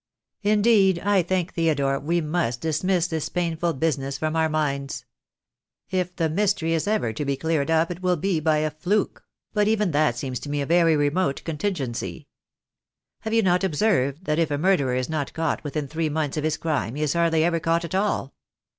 Indeed, I think, Theodore, we must dismiss this painful business from our minds. If the mystery is ever to be cleared 302 THE DAY WILL COME. up it will be by a fluke; but even that seems to me a very remote contingency. Have you not observed that if a murderer is not caught within three months of his crime he is hardly ever caught at all?